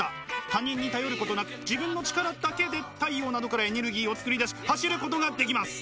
他人に頼ることなく自分の力だけで太陽などからエネルギーを作り出し走ることができます。